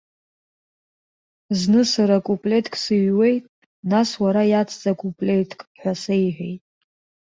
Зны сара куплетк сыҩуеит, нас уара иацҵа куплетк, ҳәа сеиҳәеит.